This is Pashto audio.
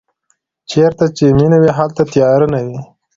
چېرته چې مینه وي هلته تیارې نه وي.